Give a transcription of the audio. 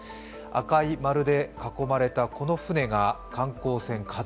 赤い丸で囲まれたこの船が観光船